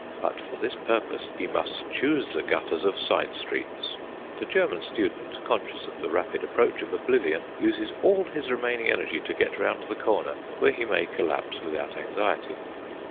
But for this purpose he must choose the gutters of side streets. The German student, conscious of the rapid approach of oblivion, uses all his remaining energy to get round the corner, where he may collapse without anxiety.